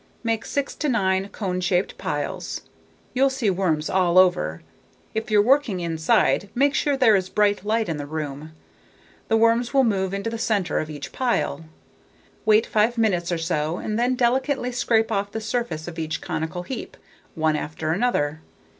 Make six to nine cone shaped piles. You'll see worms all over. If you're working inside, make sure there is bright light in the room. The worms will move into the center of each pile. Wait five minutes or so and then delicately scrape off the surface of each conical heap, one after another.